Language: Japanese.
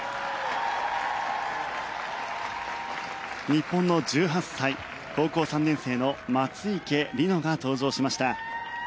日本の１８歳高校３年生の松生理乃が登場しました。